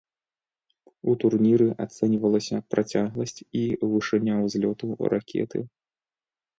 У турніры ацэньвалася працягласць і вышыня ўзлёту ракеты.